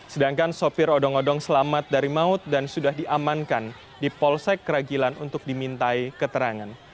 sedangkan sopir odong odong selamat dari maut dan sudah diamankan di polsek keragilan untuk dimintai keterangan